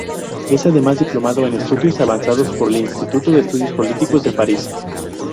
Es además diplomado en estudios avanzados por el Instituto de Estudios Políticos de París.